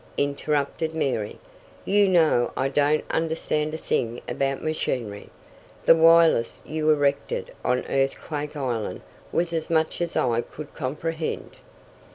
interrupted Mary. "You know I don't understand a thing about machinery. The wireless you erected on Earthquake Island was as much as I could comprehend."